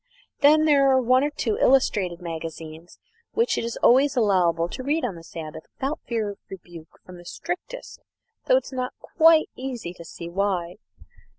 Then there are one or two illustrated magazines which it is always allowable to read on the Sabbath without fear of rebuke from the strictest though it is not quite easy to see why.